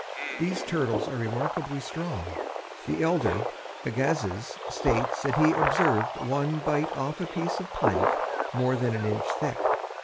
These turtles are remarkably strong. The elder Agassiz states that he observed one bite off a piece of plank more than an inch thick.